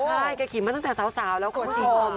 ใช่ใช่เขาก็ขี่มาตั้งแต่สาวแล้วก็ว่า